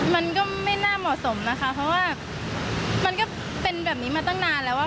มันก็ไม่น่าเหมาะสมนะคะเพราะว่ามันก็เป็นแบบนี้มาตั้งนานแล้วอ่ะ